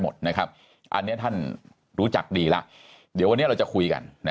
หมดนะครับอันนี้ท่านรู้จักดีล่ะเดี๋ยววันนี้เราจะคุยกัน